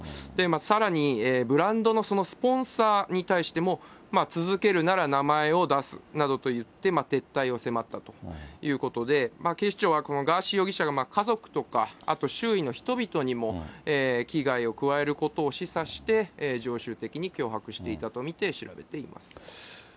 さらにブランドのスポンサーに対しても、続けるなら名前を出すなどと言って、撤退を迫ったということで、警視庁は、このガーシー容疑者が家族とか、周囲の人々にも危害を加えることを示唆して、常習的に脅迫していたと見て調べています。